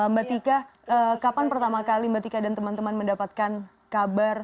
mbak tika kapan pertama kali mbak tika dan teman teman mendapatkan kabar